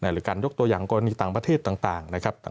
หรือการยกตัวอย่างกรณีต่างประเทศต่างนะครับ